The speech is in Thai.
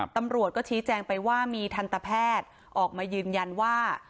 ตำรวจก็ชี้แจงไปว่ามีทันตแพทย์ออกมายืนยันว่า